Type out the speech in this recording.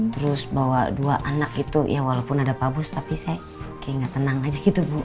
terus bawa dua anak itu ya walaupun ada pabus tapi saya kayak nggak tenang aja gitu bu